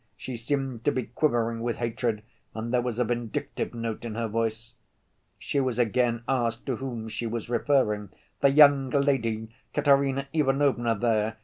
She seemed to be quivering with hatred, and there was a vindictive note in her voice. She was again asked to whom she was referring. "The young lady, Katerina Ivanovna there.